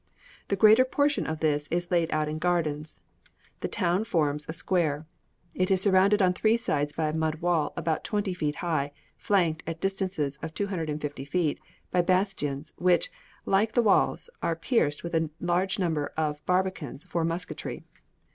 The greater portion of this is laid out in gardens. The town forms a square. It is surrounded on three sides by a mud wall about twenty feet high, flanked, at distances of 250 feet, by bastions, which, like the walls, are pierced with a large number of barbicans for musketry.